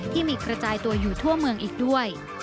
กระจายตัวอยู่ทั่วเมืองอีกด้วย